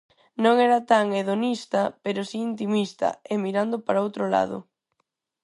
Non era tan hedonista, pero si intimista e mirando para outro lado.